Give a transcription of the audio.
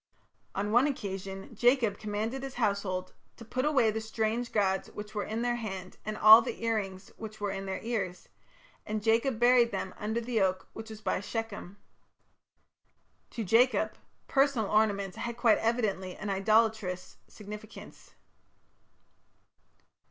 On one occasion Jacob commanded his household to "put away the strange gods which were in their hand, and all the ear rings which were in their ears; and Jacob buried them under the oak which was by Shechem". To Jacob, personal ornaments had quite evidently an idolatrous significance.